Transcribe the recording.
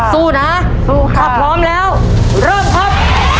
สู้นะสู้ค่ะถ้าพร้อมแล้วเริ่มครับ